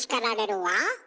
は？